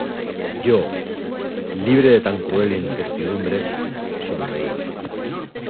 yo, libre de tan cruel incertidumbre , sonreí: